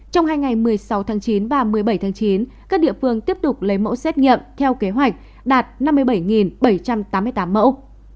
trong hai ngày một mươi sáu tháng chín và một mươi bảy tháng chín các địa phương tiếp tục lấy mẫu xét nghiệm theo kế hoạch đạt năm mươi bảy bảy trăm tám mươi tám mẫu